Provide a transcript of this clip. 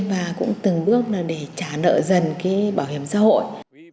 và cũng từng bước là để trả nợ dần cái bảo hiểm xã hội